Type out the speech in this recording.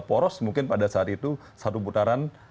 poros mungkin pada saat itu satu putaran